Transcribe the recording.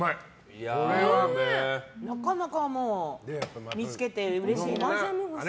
なかなか見つけてうれしいなって。